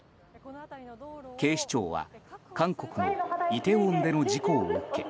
警視庁は韓国のイテウォンでの事故を受け